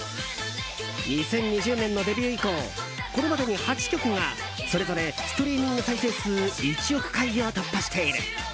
２０２０年のデビュー以降これまでに８曲がそれぞれストリーミング再生数１億回を突破している。